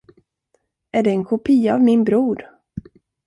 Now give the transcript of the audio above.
Är det en kopia av min bror?